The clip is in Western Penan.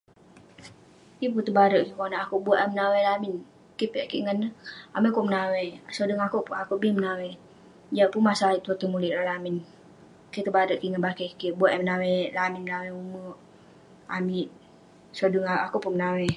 Yeng pun tebare' kik konak, akouk buak eh manouk menawai lamin. Keh piak kik ngan neh, amai kok menawai. Sodeng akouk peh, akouk bi menawai. Jiak, pun masa ayuk tuah tai mulik lak lamin. Keh tebare kik ngan bakeh kik, buak eh menawai lamin, menawai ume' amik. Sodeng akouk peh menawai.